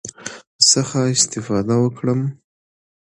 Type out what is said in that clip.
څخه استفاده وکړم،